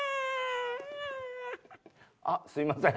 あっすいません。